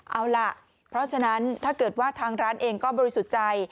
เอาล่ะเพราะฉะนั้นถ้าเกิดว่าทางร้านเองก็บริสุทธิ์ใจ